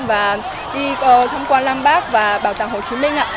và đi thăm quan lam bác và bảo tàng hồ chí minh